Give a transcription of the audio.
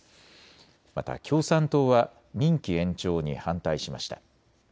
また共産党は任期延長に反対しました。